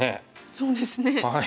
そうですね。